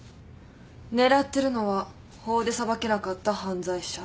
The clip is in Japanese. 狙ってるのは法で裁けなかった犯罪者。